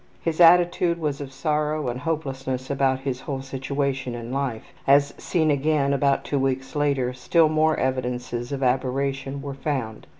His attitude was of sorrow and hopelessness about his whole situation in life. As seen again about two weeks later, still more evidences of aberration were found.